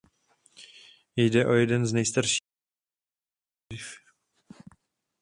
Jde o jeden z nejstarších okrsků v Haifě.